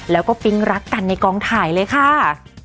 แล้วก็ปิ๊งรักกันในกองถ่ายเลยค่ะ